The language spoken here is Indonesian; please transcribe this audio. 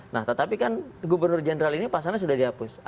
nah tetapi kan gubernur jenderal ini pasalnya sudah dihapus